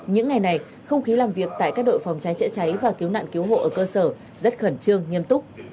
những ngày này không khí làm việc tại các đội phòng cháy chữa cháy và cứu nạn cứu hộ ở cơ sở rất khẩn trương nghiêm túc